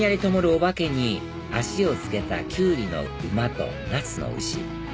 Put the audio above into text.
お化けに脚をつけたキュウリの馬とナスの牛